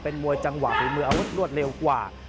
มวยจังหวะฝีมืออาวุธรวดเร็วกว่า